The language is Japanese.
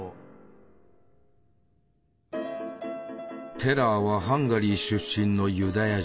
テラーはハンガリー出身のユダヤ人。